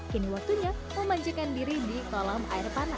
kini waktunya memanjakan diri di kolam air panas